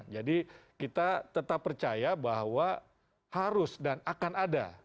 jadi kita tetap percaya bahwa harus dan akan ada